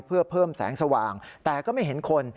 เพื่อเพิ่มแสงสว่างแต่ก็ไม่เห็นคน